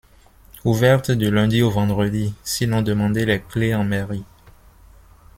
Ouverte du lundi au vendredi, sinon demander les clefs en mairie.